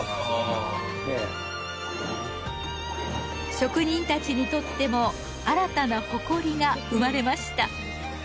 職人たちにとっても新たな誇りが生まれました。